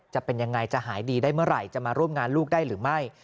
จะเป็นยังไงจะหายดีได้เมื่อไหร่จะมาร่วมงานลูกได้หรือไม่